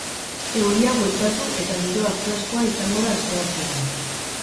Euria bueltatu eta giroa freskoa izango da asteartean.